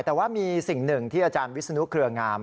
แต่ว่ามีสิ่งหนึ่งที่อาจารย์วิศนุเครืองาม